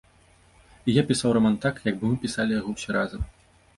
І я пісаў раман так, як бы мы пісалі яго ўсе разам.